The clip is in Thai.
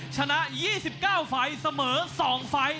ชนะ๒๙ฝ่ายเสมอ๒ฝ่าย